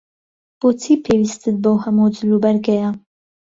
بۆچی پێویستت بەو هەموو جلوبەرگەیە؟